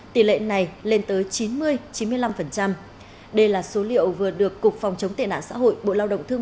tỷ lệ này lên tới chín mươi chín mươi năm đây là số liệu vừa được cục phòng chống tệ nạn xã hội bộ lao động thương